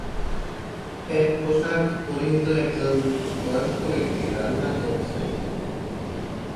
Tan পোশাক পরিহিত একজন বয়স্ক ব্যক্তি রান্না করছেন।